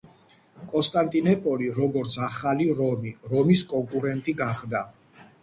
კონსტანტინოპოლი, როგორც „ახალი რომი“, რომის კონკურენტი გახდა.